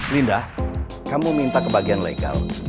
linda kamu minta ke bagian legal